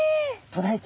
え！